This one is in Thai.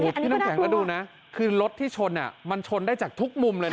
พี่น้ำแข็งก็ดูนะคือรถที่ชนมันชนได้จากทุกมุมเลยนะ